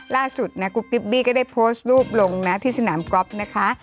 ล่าสุดนะกุ๊ปปิ๊บบี้ก็ได้โพสต์รูปลงนะที่สนามก๊อฟนะคะ